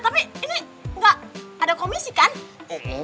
tapi ini nggak ada komisi kan